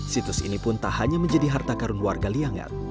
situs ini pun tak hanya menjadi harta karun warga liangat